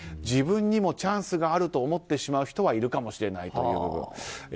自分にもチャンスがあると思ってしまう人はいるかもしれないという部分。